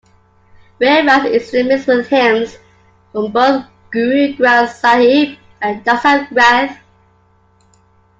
Rehras is a mix with hymns from both Guru Granth Sahib and Dasam Granth.